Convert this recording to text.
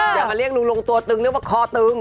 อย่ามาเรียกลุงลงตัวตึงเรียกว่าคอตึง